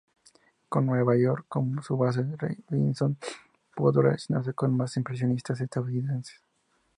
Con Nueva York como su base Robinson pudo relacionarse con más impresionistas estadounidenses.